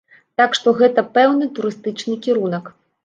Так што гэта пэўны турыстычны кірунак.